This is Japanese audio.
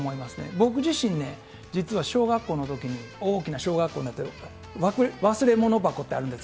僕自身、実は小学校のときに大きな小学校の中で、忘れ物箱というのがあるんです。